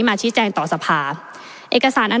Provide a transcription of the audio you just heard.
ประเทศอื่นซื้อในราคาประเทศอื่น